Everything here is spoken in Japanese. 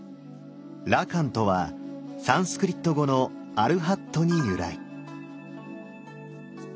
「羅漢」とはサンスクリット語の「アルハット」に由来。